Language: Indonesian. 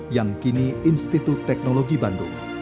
yang kini institut teknologi bandung